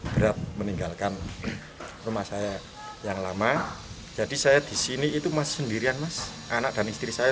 berat meninggalkan rumah saya yang lama jadi saya disini itu mas sendirian mas anak dan istri saya